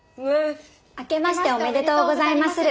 あけましておめでとうござりまする。